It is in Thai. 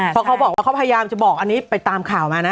เพราะเขาบอกว่าเขาพยายามจะบอกอันนี้ไปตามข่าวมานะ